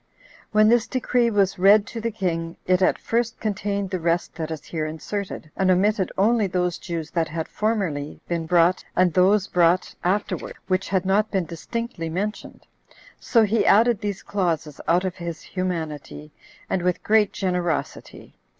When this decree was read to the king, it at first contained the rest that is here inserted, and omitted only those Jews that had formerly been brought, and those brought afterwards, which had not been distinctly mentioned; so he added these clauses out of his humanity, and with great generosity.